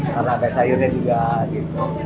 karena ada sayurnya juga gitu